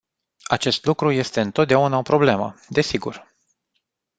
Acest lucru este întotdeauna o problemă, desigur.